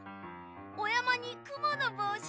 おやまにくものぼうし！